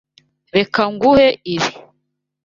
Reka nguhe ibi.